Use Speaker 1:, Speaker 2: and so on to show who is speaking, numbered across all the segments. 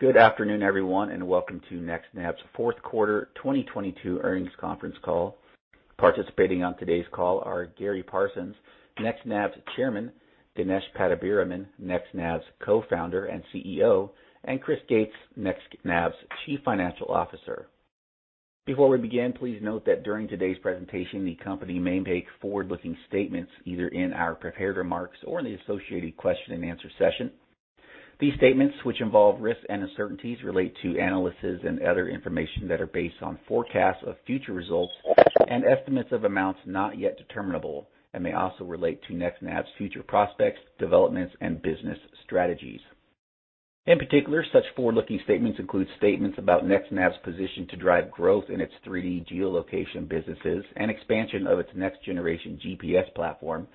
Speaker 1: Good afternoon, everyone, and welcome to NextNav's Q4 2022 earnings conference call. Participating on today's call are Gary Parsons, NextNav's chairman, Ganesh Pattabiraman, NextNav's co-founder and CEO, and Chris Gates, NextNav's chief financial officer. Before we begin, please note that during today's presentation, the company may make forward-looking statements either in our prepared remarks or in the associated question-and-answer session. These statements, which involve risks and uncertainties relate to analyses and other information that are based on forecasts of future results and estimates of amounts not yet determinable and may also relate to NextNav's future prospects, developments, and business strategies. In particular, such forward-looking statements include statements about NextNav's position to drive growth in its three geolocation businesses and expansion of its next-generation GPS platform,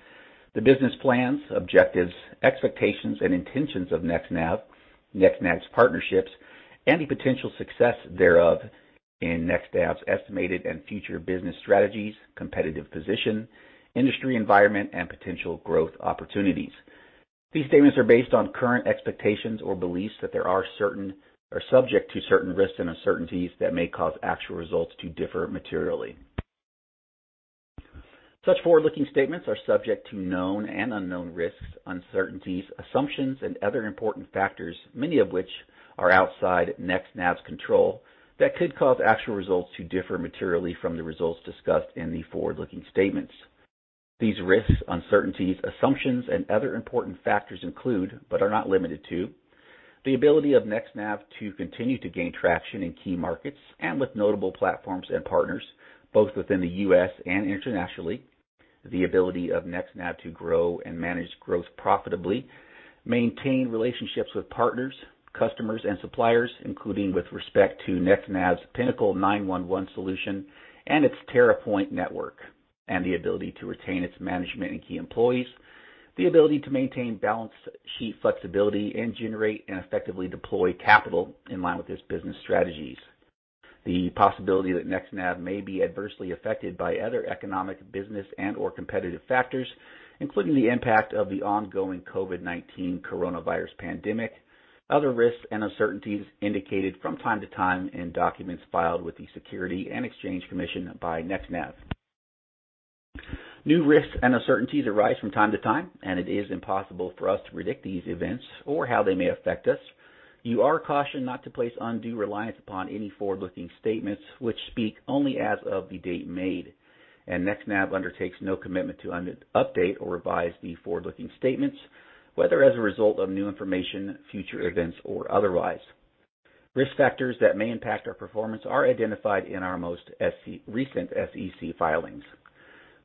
Speaker 1: the business plans, objectives, expectations, and intentions of NextNav's partnerships, and the potential success thereof in NextNav's estimated and future business strategies, competitive position, industry environment, and potential growth opportunities. These statements are based on current expectations or beliefs that are subject to certain risks and uncertainties that may cause actual results to differ materially. Such forward-looking statements are subject to known and unknown risks, uncertainties, assumptions, and other important factors, many of which are outside NextNav's control that could cause actual results to differ materially from the results discussed in the forward-looking statements. These risks, uncertainties, assumptions, and other important factors include, but are not limited to, the ability of NextNav to continue to gain traction in key markets and with notable platforms and partners, both within the US and internationally, the ability of NextNav to grow and manage growth profitably, maintain relationships with partners, customers, and suppliers, including with respect to NextNav's Pinnacle 911 solution and its TerraPoiNT network, and the ability to retain its management and key employees, the ability to maintain balance sheet flexibility and generate and effectively deploy capital in line with its business strategies. The possibility that NextNav may be adversely affected by other economic, business, and/or competitive factors, including the impact of the ongoing COVID-19 coronavirus pandemic, other risks and uncertainties indicated from time to time in documents filed with the Securities and Exchange Commission by NextNav. New risks and uncertainties arise from time to time, and it is impossible for us to predict these events or how they may affect us. You are cautioned not to place undue reliance upon any forward-looking statements which speak only as of the date made. NextNav undertakes no commitment to update or revise the forward-looking statements, whether as a result of new information, future events or otherwise. Risk factors that may impact our performance are identified in our most recent SEC filings.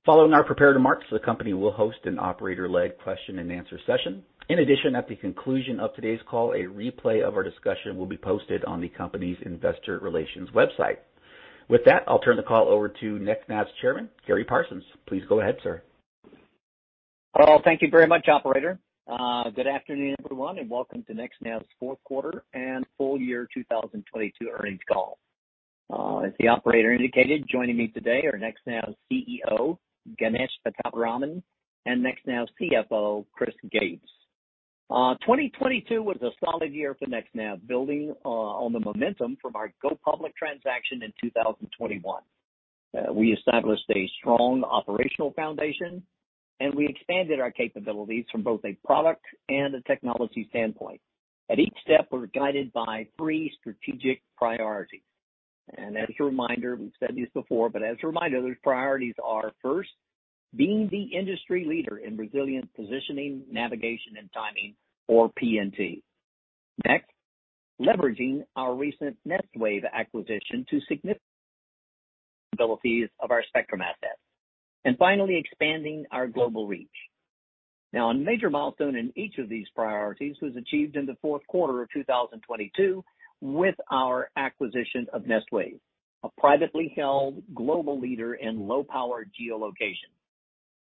Speaker 1: Following our prepared remarks, the company will host an operator-led question-and-answer session. In addition, at the conclusion of today's call, a replay of our discussion will be posted on the company's investor relations website. With that, I'll turn the call over to NextNav's chairman, Gary Parsons. Please go ahead, sir.
Speaker 2: Well, thank you very much, operator. Good afternoon, everyone, and welcome to NextNav'sQ4 and full year 2022 earnings call. As the operator indicated, joining me today are NextNav's CEO, Ganesh Pattabiraman, and NextNav's CFO, Chris Gates. 2022 was a solid year for NextNav, building on the momentum from our go-public transaction in 2021. We established a strong operational foundation, and we expanded our capabilities from both a product and a technology standpoint. At each step, we're guided by 3 strategic priorities. As a reminder, we've said these before, but as a reminder, those priorities are, first, being the industry leader in resilient positioning, navigation, and timing or PNT. Next, leveraging our recent Nestwave acquisition to significant abilities of our spectrum assets. Finally, expanding our global reach. A major milestone in each of these priorities was achieved in theQ4 of 2022 with our acquisition of Nestwave, a privately held global leader in low-power geolocation.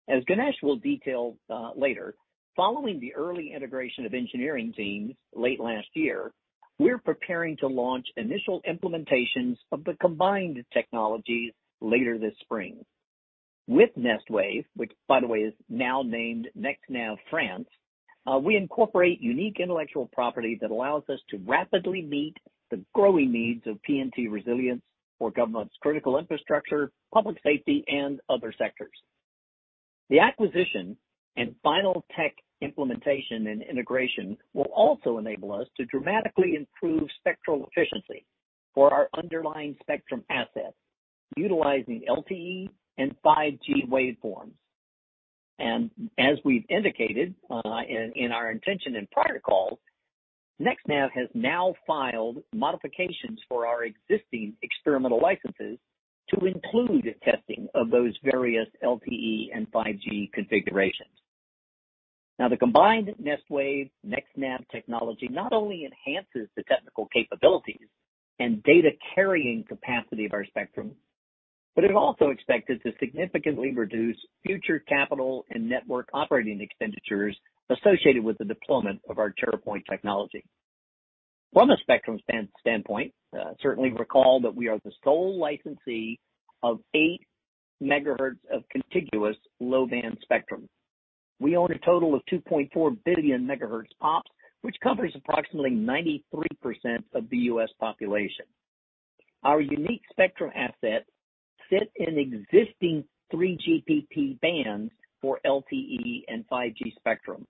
Speaker 2: As Ganesh will detail later, following the early integration of engineering teams late last year, we're preparing to launch initial implementations of the combined technologies later this spring. With Nestwave, which by the way is now named NextNav France, we incorporate unique intellectual property that allows us to rapidly meet the growing needs of PNT resilience for government's critical infrastructure, public safety, and other sectors. The acquisition and final tech implementation and integration will also enable us to dramatically improve spectral efficiency for our underlying spectrum assets utilizing LTE and 5G waveforms. As we've indicated, in our intention in prior calls, NextNav has now filed modifications for our existing experimental licenses to include testing of those various LTE and 5G configurations. The combined Nestwave, NextNav technology not only enhances the technical capabilities and data-carrying capacity of our spectrum, but it also expected to significantly reduce future capital and network operating expenditures associated with the deployment of our TerraPoiNT technology. From a spectrum standpoint, certainly recall that we are the sole licensee of eight megahertz of contiguous low-band spectrum. We own a total of 2.4 billion megahertz pops, which covers approximately 93% of the U.S. population. Our unique spectrum assets fit in existing 3GPP bands for LTE and 5G spectrum,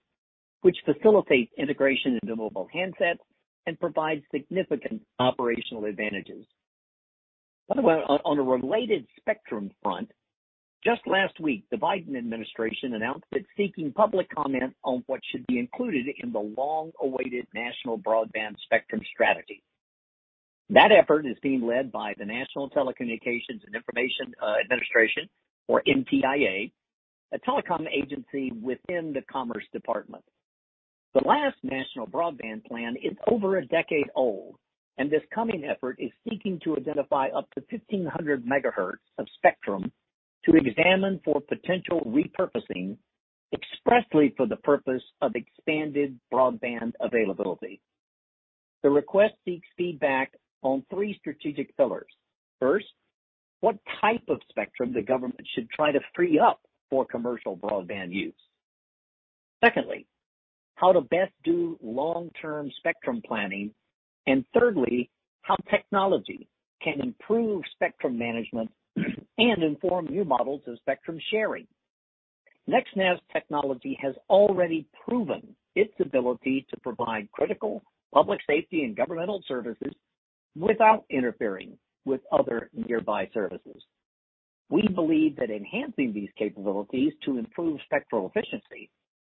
Speaker 2: which facilitates integration into mobile handsets and provides significant operational advantages. By the way, on a related spectrum front, just last week, the Biden administration announced it's seeking public comment on what should be included in the long-awaited National Broadband Spectrum Strategy. That effort is being led by the National Telecommunications and Information Administration, or NTIA, a telecom agency within the Commerce Department. The last national broadband plan is over a decade old. This coming effort is seeking to identify up to 1,500 megahertz of spectrum to examine for potential repurposing, expressly for the purpose of expanded broadband availability. The request seeks feedback on three strategic pillars. First, what type of spectrum the government should try to free up for commercial broadband use? Secondly, how to best do long-term spectrum planning? Thirdly, how technology can improve spectrum management and inform new models of spectrum sharing? NextNav's technology has already proven its ability to provide critical public safety and governmental services without interfering with other nearby services. We believe that enhancing these capabilities to improve spectral efficiency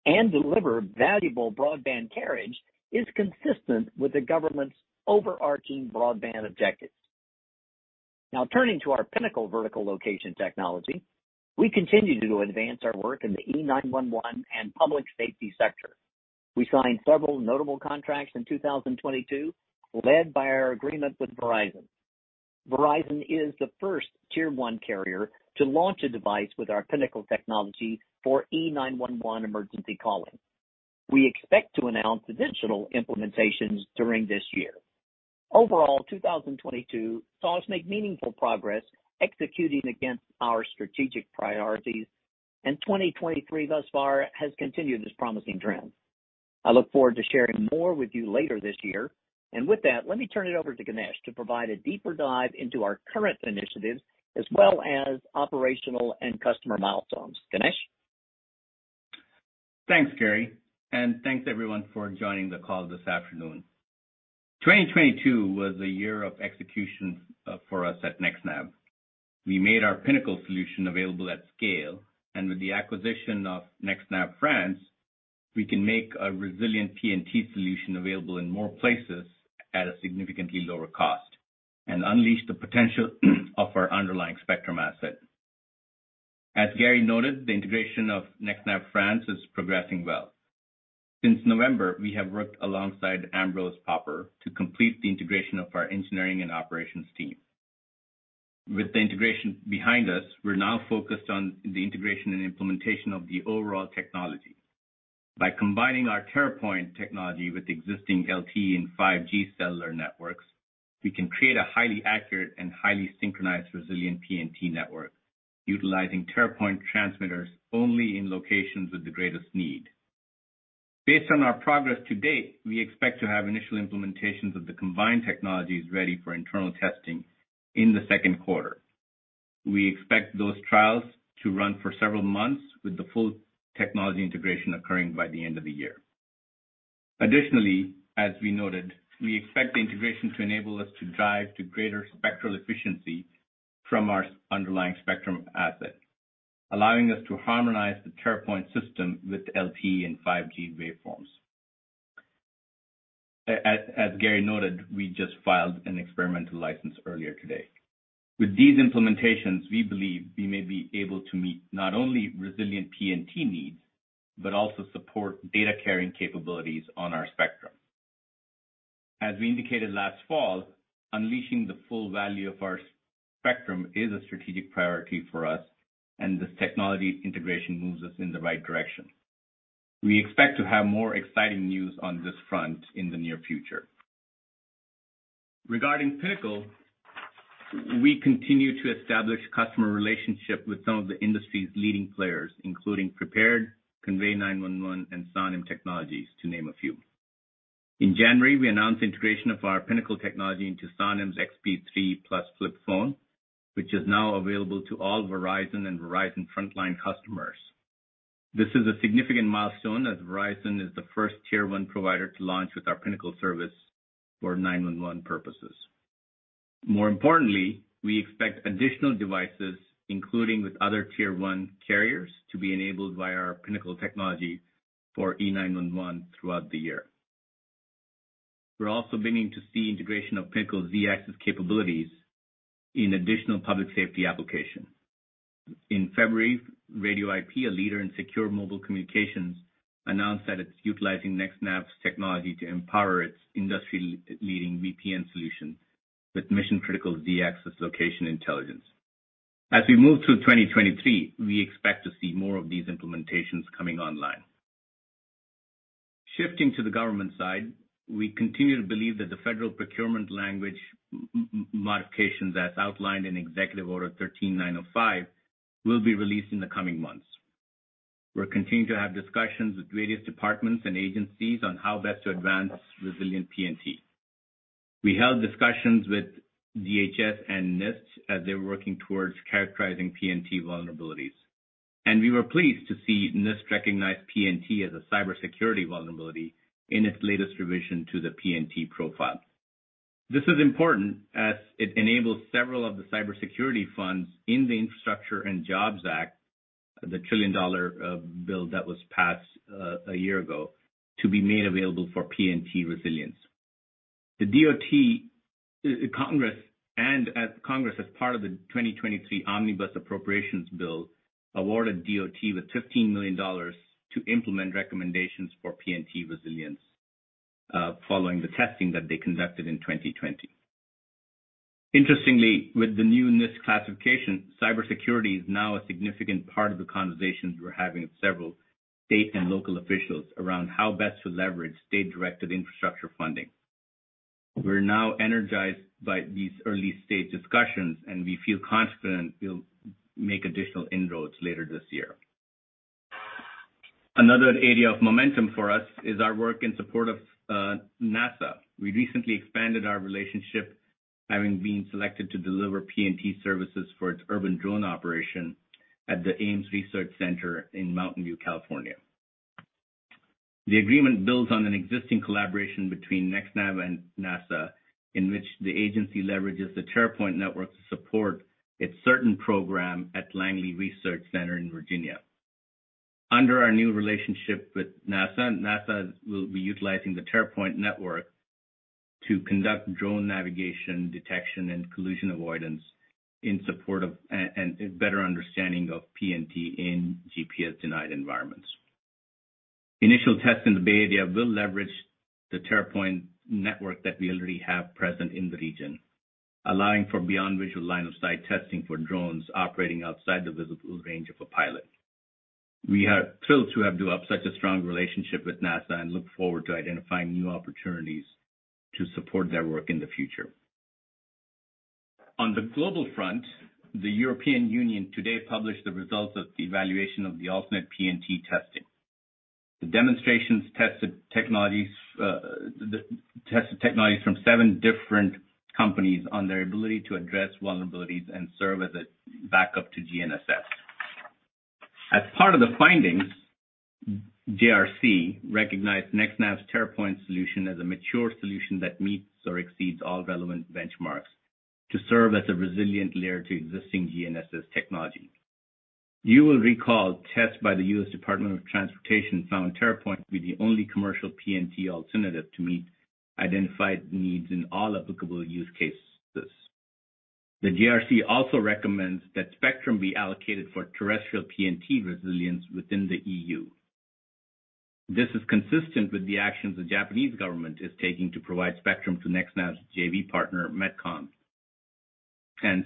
Speaker 2: and deliver valuable broadband carriage is consistent with the government's overarching broadband objectives. Turning to our Pinnacle vertical location technology. We continue to advance our work in the E911 and public safety sector. We signed several notable contracts in 2022, led by our agreement with Verizon. Verizon is the first tier one carrier to launch a device with our Pinnacle technology for E911 emergency calling. We expect to announce additional implementations during this year. Overall, 2022 saw us make meaningful progress executing against our strategic priorities, and 2023 thus far has continued this promising trend. I look forward to sharing more with you later this year. With that, let me turn it over to Ganesh to provide a deeper dive into our current initiatives as well as operational and customer milestones. Ganesh?
Speaker 3: Thanks, Gary. Thanks everyone for joining the call this afternoon. 2022 was a year of execution for us at NextNav. We made our Pinnacle solution available at scale. With the acquisition of NextNav France, we can make a resilient PNT solution available in more places at a significantly lower cost and unleash the potential of our underlying spectrum asset. As Gary noted, the integration of NextNav France is progressing well. Since November, we have worked alongside Ambroise Popper to complete the integration of our engineering and operations team. With the integration behind us, we're now focused on the integration and implementation of the overall technology. By combining our TerraPoiNT technology with existing LT and 5G cellular networks, we can create a highly accurate and highly synchronized resilient PNT network utilizing TerraPoiNT transmitters only in locations with the greatest need. Based on our progress to date, we expect to have initial implementations of the combined technologies ready for internal testing in the second quarter. We expect those trials to run for several months, with the full technology integration occurring by the end of the year. Additionally, as we noted, we expect the integration to enable us to drive to greater spectral efficiency from our underlying spectrum asset, allowing us to harmonize the TerraPoiNT system with LTE and 5G waveforms. As Gary noted, we just filed an experimental license earlier today. With these implementations, we believe we may be able to meet not only resilient PNT needs, but also support data-carrying capabilities on our spectrum. As we indicated last fall, unleashing the full value of our spectrum is a strategic priority for us, this technology integration moves us in the right direction. We expect to have more exciting news on this front in the near future. Regarding Pinnacle, we continue to establish customer relationship with some of the industry's leading players, including Prepared, Convey911, and Sonim Technologies, to name a few. In January, we announced integration of our Pinnacle technology into Sonim's XP3plus flip phone, which is now available to all Verizon and Verizon Frontline customers. This is a significant milestone as Verizon is the first tier one provider to launch with our Pinnacle service for 911 purposes. More importantly, we expect additional devices, including with other tier one carriers, to be enabled by our Pinnacle technology for E911 throughout the year. We're also beginning to see integration of Pinnacle's z-axis capabilities in additional public safety applications. In February, RadioIP, a leader in secure mobile communications, announced that it's utilizing NextNav's technology to empower its industry-leading VPN solution with mission-critical z-axis location intelligence. As we move through 2023, we expect to see more of these implementations coming online. We continue to believe that the federal procurement language modifications as outlined in Executive Order 13905 will be released in the coming months. We're continuing to have discussions with various departments and agencies on how best to advance resilient PNT. We held discussions with DHS and NIST as they were working towards characterizing PNT vulnerabilities, and we were pleased to see NIST recognize PNT as a cybersecurity vulnerability in its latest revision to the PNT Profile. This is important as it enables several of the cybersecurity funds in the Infrastructure Investment and Jobs Act, the trillion-dollar bill that was passed a year ago, to be made available for PNT resilience. The Congress as part of the 2023 omnibus appropriations bill, awarded DOT with $15 million to implement recommendations for PNT resilience following the testing that they conducted in 2020. Interestingly, with the new NIST classification, cybersecurity is now a significant part of the conversations we're having with several state and local officials around how best to leverage state-directed infrastructure funding. We're now energized by these early-stage discussions. We feel confident we'll make additional inroads later this year. Another area of momentum for us is our work in support of NASA. We recently expanded our relationship, having been selected to deliver PNT services for its urban drone operation at the Ames Research Center in Mountain View, California. The agreement builds on an existing collaboration between NextNav and NASA, in which the agency leverages the TerraPoiNT network to support its CERTAIN program at Langley Research Center in Virginia. Under our new relationship with NASA will be utilizing the TerraPoiNT network to conduct drone navigation, detection, and collision avoidance in support of and better understanding of PNT in GPS-denied environments. Initial tests in the Bay Area will leverage the TerraPoiNT network that we already have present in the region, allowing for beyond visual line of sight testing for drones operating outside the visible range of a pilot. We are thrilled to have developed such a strong relationship with NASA and look forward to identifying new opportunities to support their work in the future. On the global front, the European Union today published the results of the evaluation of the alternate PNT testing. The demonstrations tested technologies from 7 different companies on their ability to address vulnerabilities and serve as a backup to GNSS. As part of the findings, JRC recognized NextNav's TerraPoiNT solution as a mature solution that meets or exceeds all relevant benchmarks to serve as a resilient layer to existing GNSS technology. You will recall tests by the U.S. Department of Transportation found TerraPoiNT to be the only commercial PNT alternative to meet identified needs in all applicable use cases. The JRC also recommends that spectrum be allocated for terrestrial PNT resilience within the EU. This is consistent with the actions the Japanese government is taking to provide spectrum to NextNav's JV partner, MetCom.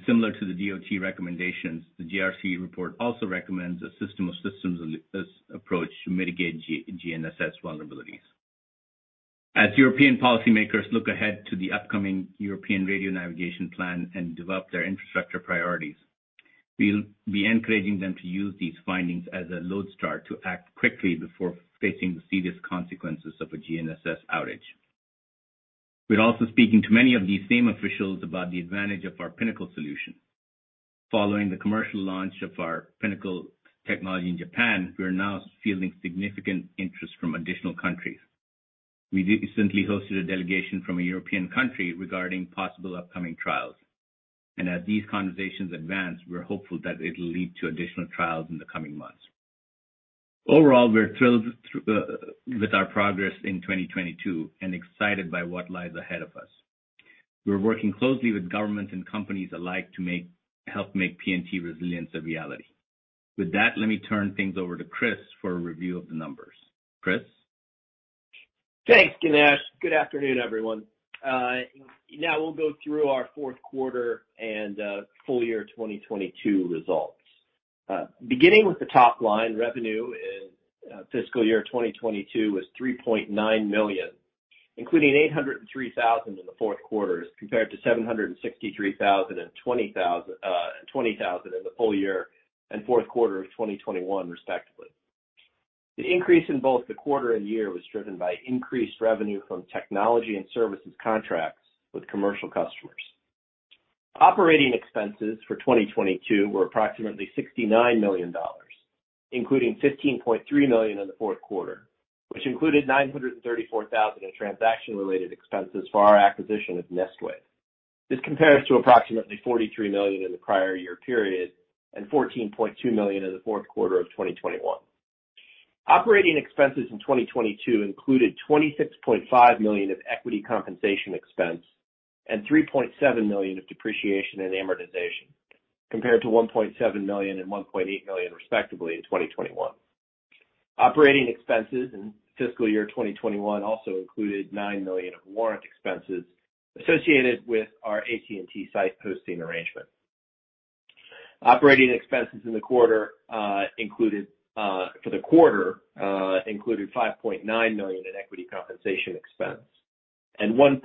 Speaker 3: Similar to the DOT recommendations, the JRC report also recommends a system of systems approach to mitigate GNSS vulnerabilities. As European policymakers look ahead to the upcoming European Radio Navigation Plan and develop their infrastructure priorities, we'll be encouraging them to use these findings as a lodestar to act quickly before facing the serious consequences of a GNSS outage. We're also speaking to many of these same officials about the advantage of our Pinnacle solution. Following the commercial launch of our Pinnacle technology in Japan, we are now fielding significant interest from additional countries. We recently hosted a delegation from a European country regarding possible upcoming trials. As these conversations advance, we're hopeful that it'll lead to additional trials in the coming months. Overall, we're thrilled with our progress in 2022 and excited by what lies ahead of us. We're working closely with governments and companies alike to help make PNT resilience a reality. With that, let me turn things over to Chris for a review of the numbers. Chris?
Speaker 4: Thanks, Ganesh. Good afternoon, everyone. Now we'll go through our Q4 and full year 2022 results. Beginning with the top line, revenue in fiscal year 2022 was $3.9 million, including $803,000 in the Q as compared to $763,000 and $20,000 in the full year andQ4 of 2021 respectively. The increase in both the quarter and year was driven by increased revenue from technology and services contracts with commercial customers. Operating expenses for 2022 were approximately $69 million, including $15.3 million in theQ4, which included $934,000 in transaction-related expenses for our acquisition of Nestwave. This compares to approximately $43 million in the prior year period and $14.2 million in theQ4 of 2021. Operating expenses in 2022 included $26.5 million of equity compensation expense and $3.7 million of depreciation and amortization, compared to $1.7 million and $1.8 million, respectively, in 2021. Operating expenses in fiscal year 2021 also included $9 million of warrant expenses associated with our AT&T site hosting arrangement. Operating expenses for the quarter included $5.9 million in equity compensation expense and $1.0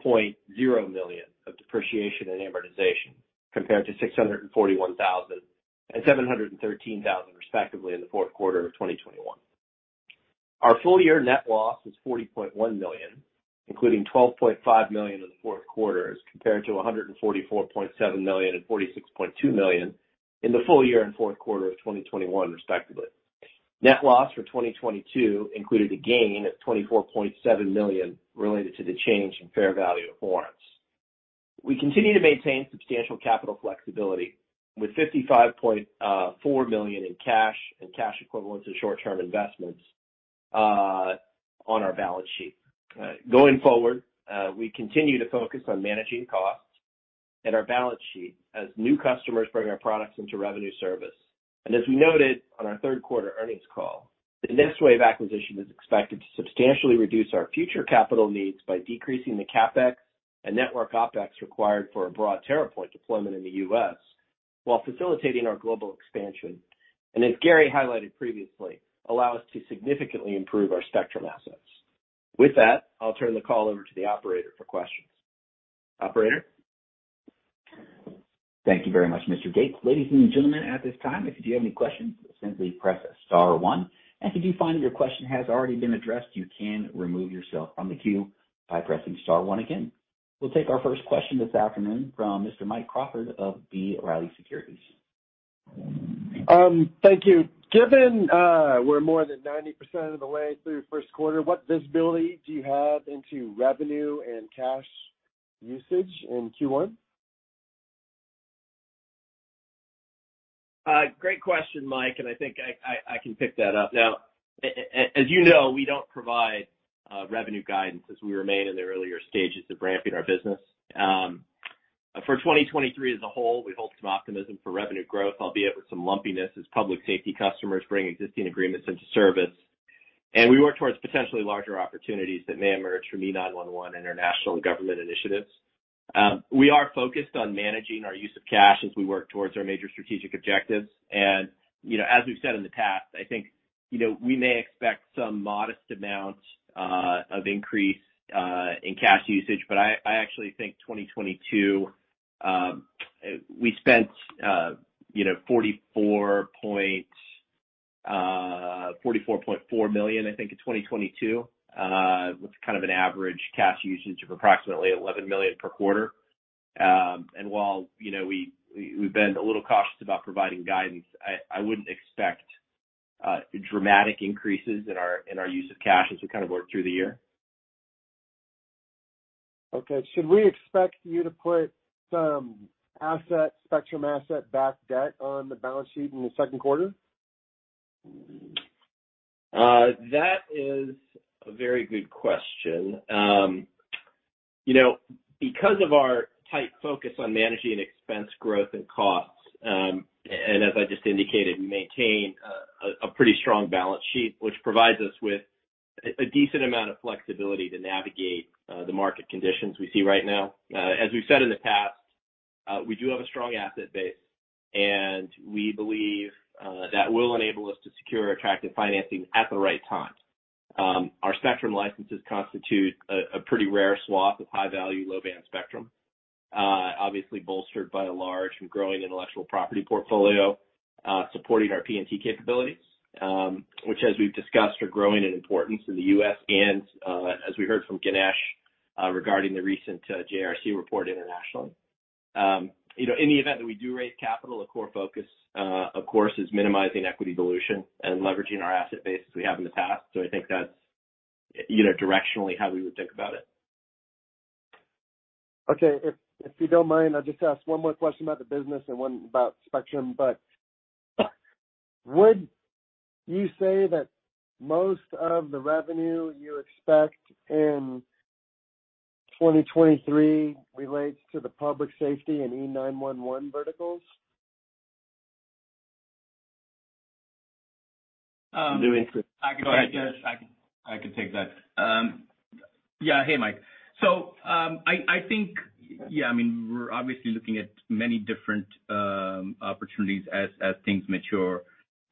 Speaker 4: million of depreciation and amortization, compared to $641,000 and $713,000, respectively, in theQ4 of 2021. Our full year net loss was $40.1 million, including $12.5 million in theQ4 as compared to $144.7 million and $46.2 million in the full year andQ4 of 2021, respectively. Net loss for 2022 included a gain of $24.7 million related to the change in fair value of warrants. We continue to maintain substantial capital flexibility with $55.4 million in cash and cash equivalents and short-term investments on our balance sheet. Going forward, we continue to focus on managing costs and our balance sheet as new customers bring our products into revenue service. As we noted on our Q3 earnings call, the Nestwave acquisition is expected to substantially reduce our future capital needs by decreasing the CapEx and network OpEx required for a broad TerraPoiNT deployment in the U.S. while facilitating our global expansion, and as Gary highlighted previously, allow us to significantly improve our spectrum assets. With that, I'll turn the call over to the operator for questions. Operator?
Speaker 1: Thank you very much, Mr. Gates. Ladies and gentlemen, at this time, if you do have any questions, simply press star one. If you find that your question has already been addressed, you can remove yourself from the queue by pressing star one again. We'll take our first question this afternoon from Mr. Mike Crawford of B. Riley Securities.
Speaker 5: Thank you. Given, we're more than 90% of the way through Q1, what visibility do you have into revenue and cash usage in Q1?
Speaker 4: Great question, Mike, I can pick that up. Now, as you know, we don't provide revenue guidance as we remain in the earlier stages of ramping our business. For 2023 as a whole, we hold some optimism for revenue growth, albeit with some lumpiness as public safety customers bring existing agreements into service. We work towards potentially larger opportunities that may emerge from E911 international and government initiatives. We are focused on managing our use of cash as we work towards our major strategic objectives. As we've said in the past, we may expect some modest amount of increase in cash usage. I actually think 2022, we spent $44.4 million with kind of an average cash usage of approximately $11 million per quarter. While we've been a little cautious about providing guidance, I wouldn't expect dramatic increases in our use of cash as we kind of work through the year.
Speaker 5: Okay. Should we expect you to put some asset, spectrum asset-backed debt on the balance sheet in the second quarter?
Speaker 4: That is a very good question. Because of our tight focus on managing expense growth and costs, and as I just indicated, we maintain a pretty strong balance sheet, which provides us with a decent amount of flexibility to navigate the market conditions we see right now. As we've said in the past, we do have a strong asset base, and we believe that will enable us to secure attractive financing at the right time. Our spectrum licenses constitute a pretty rare swath of high-value, low-band spectrum, obviously bolstered by a large and growing intellectual property portfolio, supporting our PNT capabilities, which as we've discussed, are growing in importance in the U.S. and as we heard from Ganesh, regarding the recent JRC report internationally. In the event that we do raise capital, a core focus, of course, is minimizing equity dilution and leveraging our asset base as we have in the past. That's directionally how we would think about it.
Speaker 5: Okay. If you don't mind, I'll just ask one more question about the business and one about spectrum. Would you say that most of the revenue you expect in 2023 relates to the public safety and E911 verticals?
Speaker 4: Um-
Speaker 3: I can go ahead, Chris. I can take that. Yeah. Hey, Mike. I think, yeah, I mean, we're obviously looking at many different opportunities as things mature,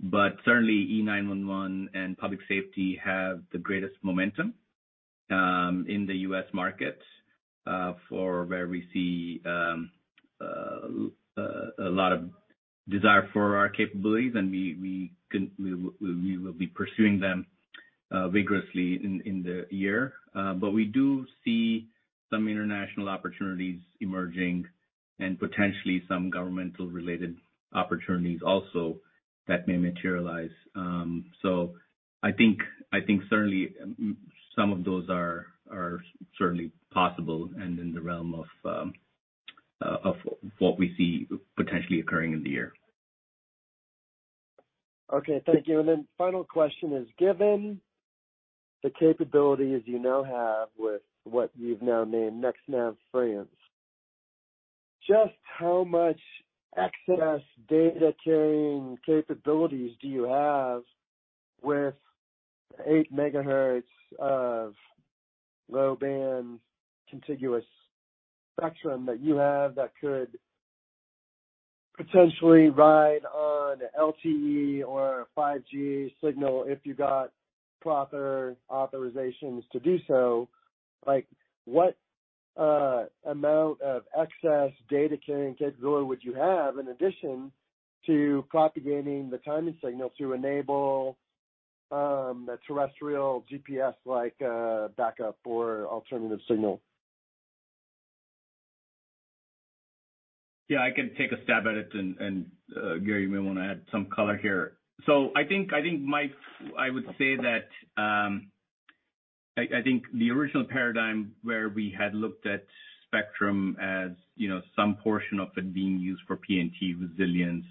Speaker 3: but certainly E911 and public safety have the greatest momentum in the U.S. market for where we see a lot of desire for our capabilities, and we will be pursuing them vigorously in the year. We do see some international opportunities emerging and potentially some governmental-related opportunities also that may materialize. I think certainly some of those are certainly possible and in the realm of what we see potentially occurring in the year.
Speaker 5: Okay. Thank you. Final question is, given the capabilities you now have with what you've now named NextNav France, just how much excess data carrying capabilities do you have with 8 MHz of bandwidth, low-band contiguous spectrum that you have that could potentially ride on LTE or 5G signal if you got proper authorizations to do so, what amount of excess data carrying capability would you have in addition to propagating the timing signal to enable a terrestrial GPS-like backup or alternative signal?
Speaker 3: Yeah, I can take a stab at it and Gary, you may want to add some color here. I would say that the original paradigm where we had looked at spectrum as some portion of it being used for PNT resilience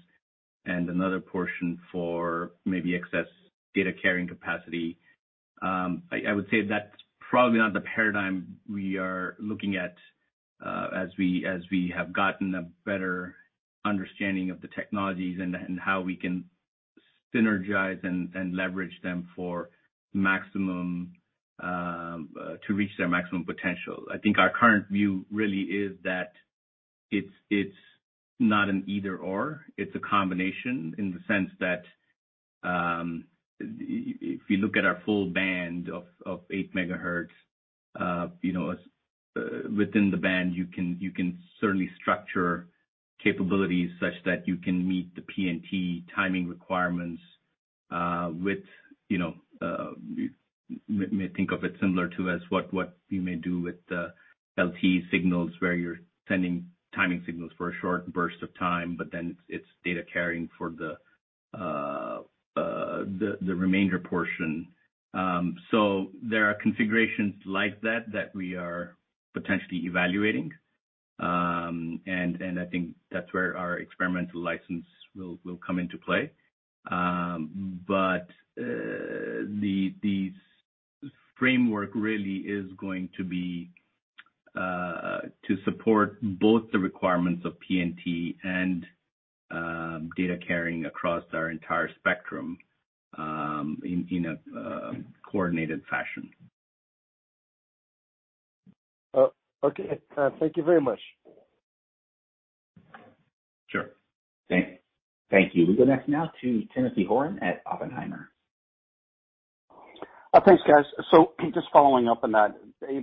Speaker 3: and another portion for maybe excess data carrying capacity, I would say that's probably not the paradigm we are looking at. As we have gotten a better understanding of the technologies and how we can synergize and leverage them for maximum to reach their maximum potential. Our current view really is that it's not an either/or. It's a combination in the sense that if you look at our full band of 8 megahertz within the band, you can certainly structure capabilities such that you can meet the PNT timing requirements with. We may think of it similar to as what we may do with the LTE signals where you're sending timing signals for a short burst of time, but then it's data carrying for the remainder portion. There are configurations like that we are potentially evaluating. That's where our experimental license will come into play. The framework really is going to be to support both the requirements of PNT and data carrying across our entire spectrum in a coordinated fashion.
Speaker 5: Oh, okay. Thank you very much.
Speaker 3: Sure.
Speaker 1: Thank you. We go next now to Timothy Horan at Oppenheimer.
Speaker 6: Thanks, guys. Just following up on that,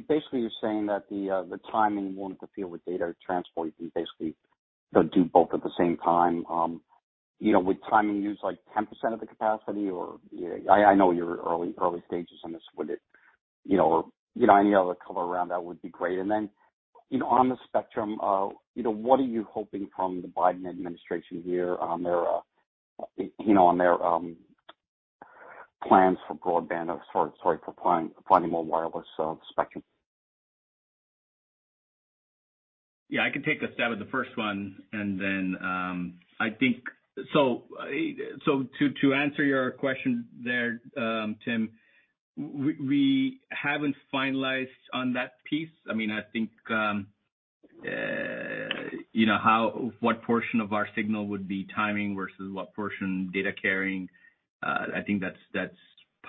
Speaker 6: basically, you're saying that the timing won't interfere with data transport. You can basically, do both at the same time. You know, would timing use like 10% of the capacity or? I know you're early stages on this. Any other color around that would be great on the spectrum, what are you hoping from the Biden administration here on their plans for broadband or sorry, for planning more wireless spectrum?
Speaker 3: Yeah, I can take a stab at the first one and then, to answer your question there, Tim, we haven't finalized on that piece. What portion of our signal would be timing versus what portion data carrying, that's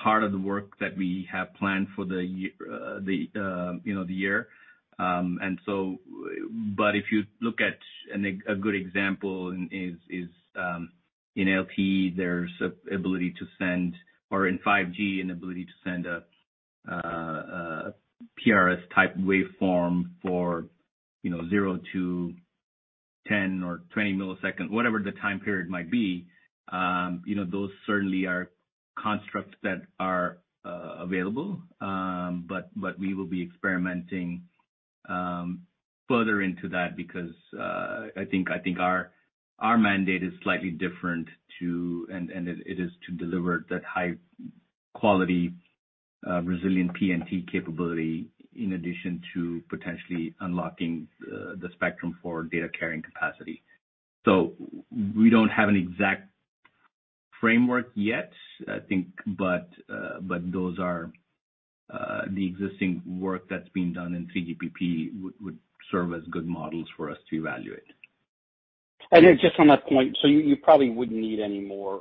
Speaker 3: part of the work that we have planned for the year. If you look at a good example is, in LP, there's an ability to send or in 5G, an ability to send a PRS-type waveform for, 0 to 10 or 20 milliseconds, whatever the time period might be. Those certainly are constructs that are available. We will be experimenting further into that because I think our mandate is slightly different to, and it is to deliver that high-quality resilient PNT capability in addition to potentially unlocking the spectrum for data carrying capacity. We don't have an exact framework yet, I think, but those are the existing work that's being done in 3GPP would serve as good models for us to evaluate.
Speaker 6: Just on that point, so you probably wouldn't need any more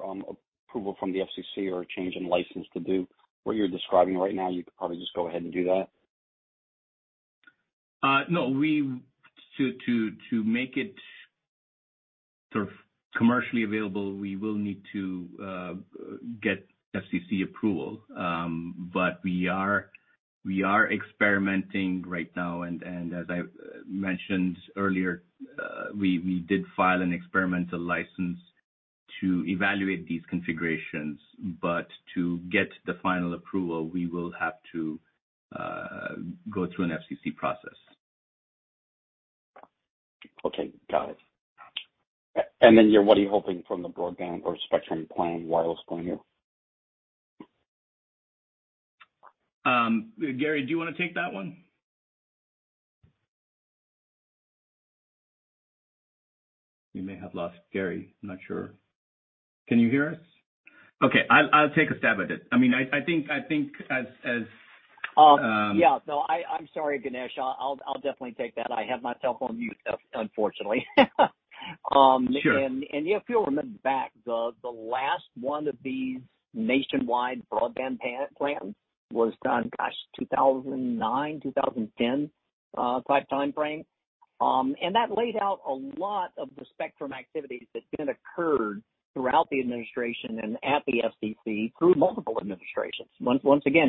Speaker 6: approval from the FCC or a change in license to do what you're describing right now. You could probably just go ahead and do that.
Speaker 3: No. To make it sort of commercially available, we will need to get FCC approval. We are experimenting right now and as I mentioned earlier, we did file an experimental license to evaluate these configurations. To get the final approval, we will have to go through an FCC process.
Speaker 6: Okay. Got it. What are you hoping from the broadband or spectrum plan, wireless plan here?
Speaker 3: Gary, do you wanna take that one? We may have lost Gary. I'm not sure. Can you hear us? Okay, I'll take a stab at it. I mean, I think as.
Speaker 2: Yeah. No, I'm sorry, Ganesh. I'll definitely take that. I had my cell phone on mute, unfortunately. If you'll remember back, the last one of these nationwide broadband plans was done, gosh, 2009, 2010 type timeframe. That laid out a lot of the spectrum activities that then occurred throughout the administration and at the FCC through multiple administrations. Once again,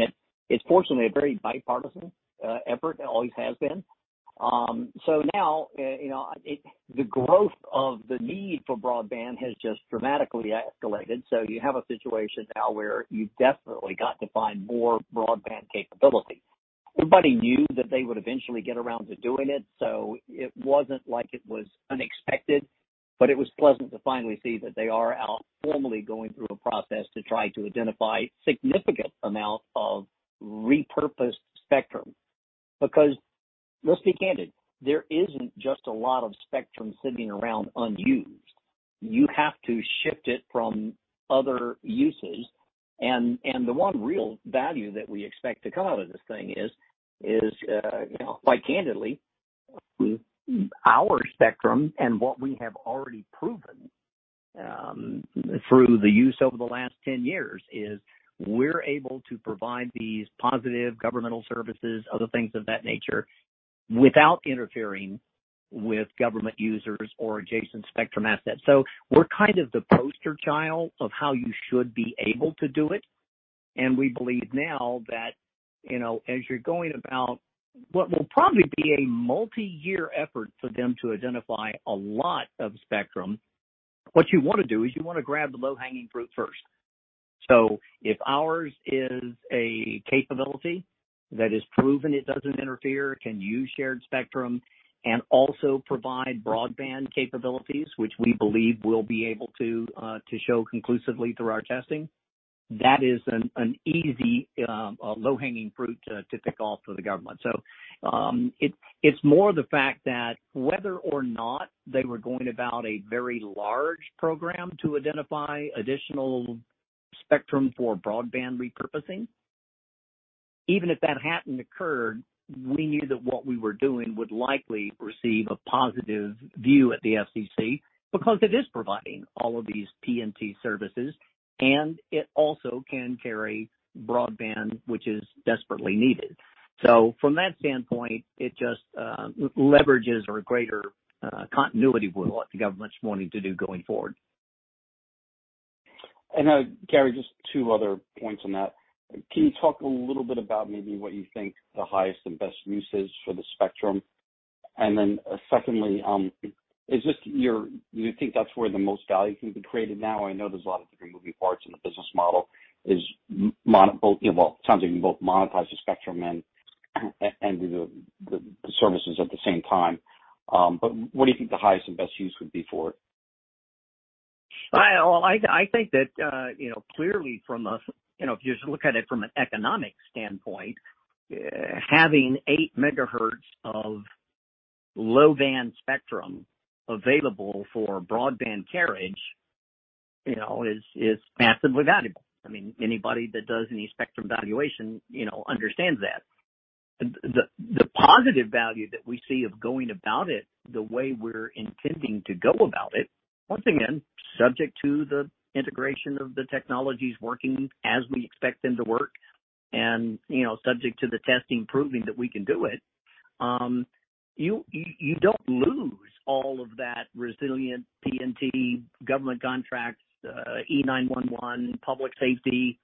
Speaker 2: it's fortunately a very bipartisan effort and always has been. Now, the growth of the need for broadband has just dramatically escalated. You have a situation now where you've definitely got to find more broadband capability. Everybody knew that they would eventually get around to doing it, so it wasn't like it was unexpected, but it was pleasant to finally see that they are out formally going through a process to try to identify significant amounts of repurposed spectrum. Because, let's be candid, there isn't just a lot of spectrum sitting around unused. You have to shift it from other uses. The one real value that we expect to come out of this thing is, you know, quite candidly, our spectrum and what we have already proven, through the use over the last 10 years, is we're able to provide these positive governmental services, other things of that nature, without interfering with government users or adjacent spectrum assets. We're kind of the poster child of how you should be able to do it, and we believe now that as you're going about what will probably be a multiyear effort for them to identify a lot of spectrum, what you wanna do is you wanna grab the low-hanging fruit first. If ours is a capability that is proven it doesn't interfere, can use shared spectrum, and also provide broadband capabilities, which we believe we'll be able to show conclusively through our testing, that is an easy, a low-hanging fruit to pick off for the government. It's more the fact that whether or not they were going about a very large program to identify additional spectrum for broadband repurposing, even if that hadn't occurred, we knew that what we were doing would likely receive a positive view at the FCC because it is providing all of these PNT services, and it also can carry broadband, which is desperately needed. From that standpoint, it just leverages or a greater continuity will what the government's wanting to do going forward.
Speaker 6: Gary, just two other points on that. Can you talk a little bit about maybe what you think the highest and best use is for the spectrum? Then secondly, do you think that's where the most value can be created now? I know there's a lot of different moving parts in the business model. It sounds like you can both monetize the spectrum and the services at the same time? But what do you think the highest and best use would be for it?
Speaker 2: Well, I think that, you know, clearly from a, you know, if you just look at it from an economic standpoint, having 8 megahertz of low-band spectrum available for broadband carriage, you know, is massively valuable. I mean, anybody that does any spectrum valuation, you know, understands that. The positive value that we see of going about it the way we're intending to go about it, once again, subject to the integration of the technologies working as we expect them to work and, you know, subject to the testing proving that we can do it, you don't lose all of that resilient PNT government contracts, E911, public safety,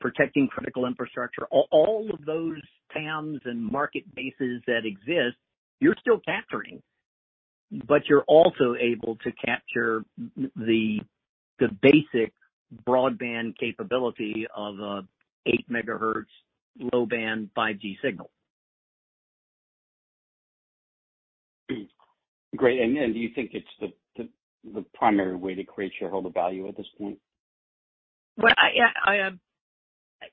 Speaker 2: protecting critical infrastructure. All of those TAMs and market bases that exist, you're still capturing, but you're also able to capture the basic broadband capability of a 8 megahertz low-band 5G signal.
Speaker 6: Great. Do you think it's the primary way to create shareholder value at this point?
Speaker 2: Well,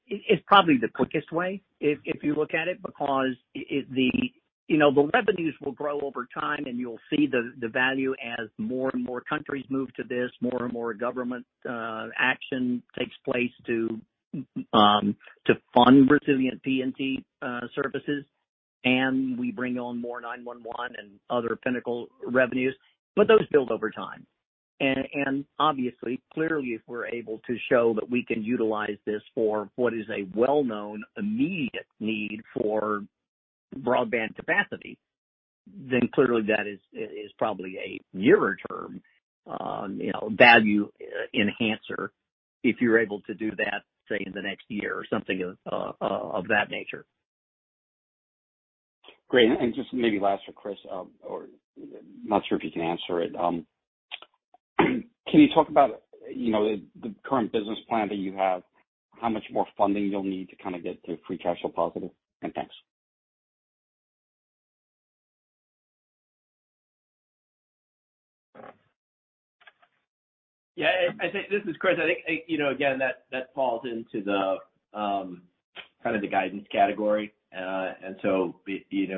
Speaker 2: it's probably the quickest way if you look at it because the revenues will grow over time, and you'll see the value as more and more countries move to this, more and more government action takes place to fund resilient PNT services, and we bring on more 911 and other Pinnacle revenues. Those build over time. Obviously, clearly, if we're able to show that we can utilize this for what is a well-known immediate need for broadband capacity, then clearly that is probably a nearer term value enhancer if you're able to do that, say, in the next year or something of that nature.
Speaker 6: Great. Just maybe last for Chris, or not sure if you can answer it. Can you talk about, you know, the current business plan that you have, how much more funding you'll need to kind of get to free cash flow positive? Thanks.
Speaker 4: Yeah. This is Chris. I think, you know, again, that falls into the kind of the guidance category.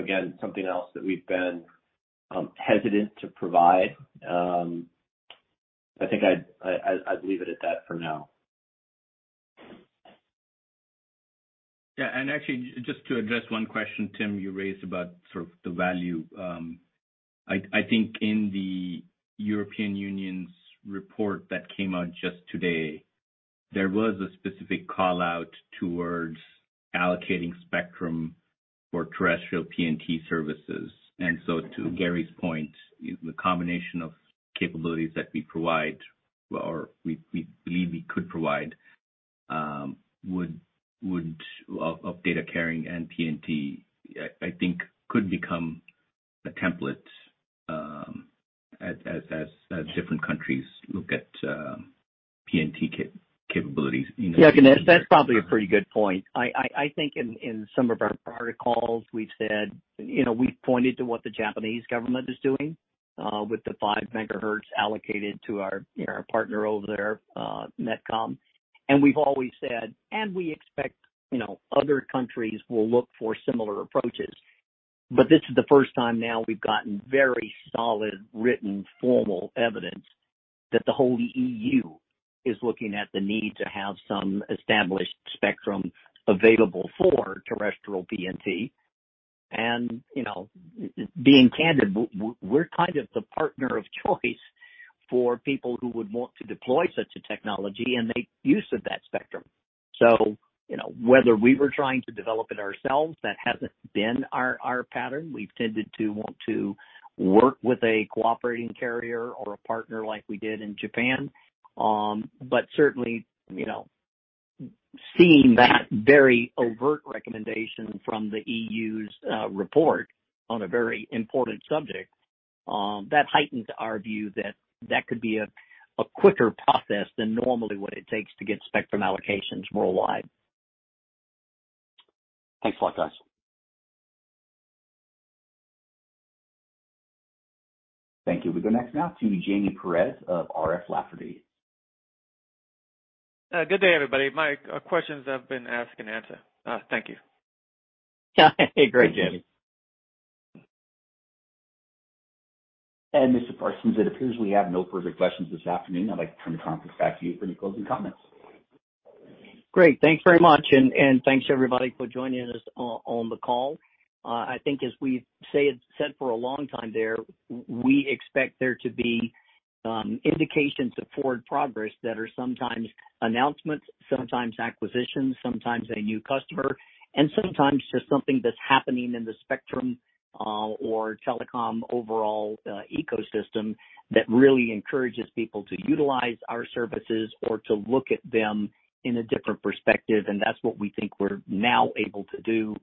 Speaker 4: Again, something else that we've been hesitant to provide. I'd leave it at that for now.
Speaker 3: Yeah, actually just to address one question, Timothy, you raised about sort of the value. I think in the European Union's report that came out just today, there was a specific call-out towards allocating spectrum for terrestrial PNT services. To Gary's point, the combination of capabilities that we provide or we believe we could provide, would of data carrying and PNT, I think could become a template, as different countries look at PNT capabilities in-
Speaker 2: Yeah, Ganesh, that's probably a pretty good point. In some of our prior calls, we've pointed to what the Japanese government is doing with the 5 megahertz allocated to our partner over there, MetCom. We've always said, "We expect, you know, other countries will look for similar approaches." This is the first time now we've gotten very solid, written, formal evidence that the whole EU is looking at the need to have some established spectrum available for terrestrial PNT. Being candid, we're kind of the partner of choice for people who would want to deploy such a technology and make use of that spectrum, whether we were trying to develop it ourselves, that hasn't been our pattern. We've tended to want to work with a cooperating carrier or a partner like we did in Japan. Certainly, you know, seeing that very overt recommendation from the EU's report on a very important subject, that heightens our view that that could be a quicker process than normally what it takes to get spectrum allocations worldwide.
Speaker 6: Thanks a lot, guys.
Speaker 1: Thank you. We go next now to Jaime Perez of R.F. Lafferty.
Speaker 7: Good day, everybody. My questions have been asked and answered. Thank you.
Speaker 2: Great, Jaime.
Speaker 1: Mr. Parsons, it appears we have no further questions this afternoon. I'd like to turn the conference back to you for any closing comments.
Speaker 2: Great. Thanks very much, and thanks everybody for joining us on the call. I think as we've said for a long time there, we expect there to be indications of forward progress that are sometimes announcements, sometimes acquisitions, sometimes a new customer, and sometimes just something that's happening in the spectrum, or telecom overall, ecosystem that really encourages people to utilize our services or to look at them in a different perspective. That's what we think we're now able to do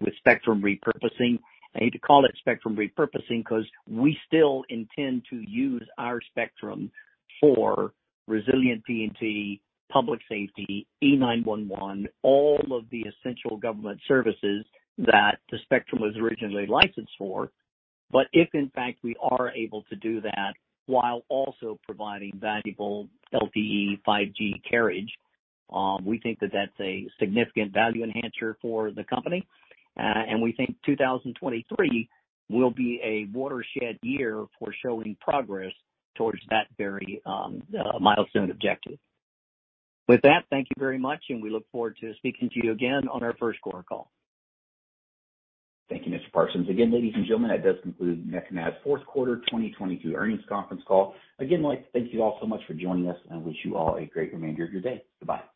Speaker 2: with spectrum repurposing. I hate to call it spectrum repurposing 'cause we still intend to use our spectrum for resilient PNT, public safety, E911, all of the essential government services that the spectrum was originally licensed for. If in fact we are able to do that while also providing valuable LTE, 5G carriage, we think that that's a significant value enhancer for the company. We think 2023 will be a watershed year for showing progress towards that very milestone objective. With that, thank you very much, and we look forward to speaking to you again on our first quarter call.
Speaker 1: Thank you, Mr. Parsons. Again, ladies and gentlemen, that does conclude NextNav'sQ4 2022 earnings conference call. Again, I'd like to thank you all so much for joining us and wish you all a great remainder of your day. Goodbye.